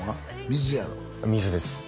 水やろ水です